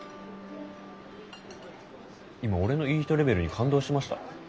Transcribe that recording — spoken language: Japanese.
今俺のいい人レベルに感動しました？